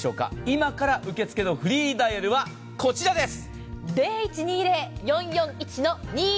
今から受け付けのフリーダイヤルはこちらです。